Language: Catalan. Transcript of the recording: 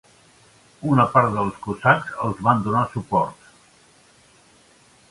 Una part dels cosacs els va donar suport.